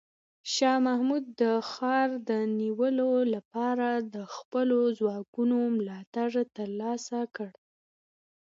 شاه محمود د ښار د نیولو لپاره د خپلو ځواکونو ملاتړ ترلاسه کړ.